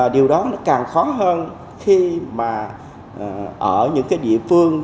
điều đó nó càng khó hơn khi mà ở những cái địa phương